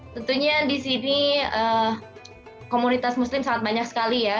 tentunya di sini komunitas muslim sangat banyak sekali ya